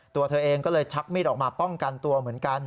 ตัวเธอเองก็เลยชักมีดออกมาป้องกันตัวเหมือนกัน